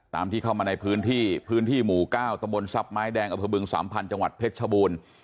ที่เข้ามาในพื้นที่พื้นที่หมู่๙ตะบนทรัพย์ไม้แดงอเภอบึงสามพันธ์จังหวัดเพชรชบูรณ์